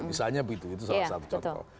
misalnya begitu itu salah satu contoh